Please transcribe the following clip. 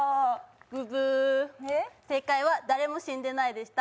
ブブー、正解は誰も死んでないでした。